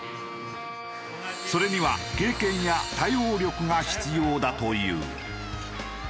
それには経験や対応力が必要だという。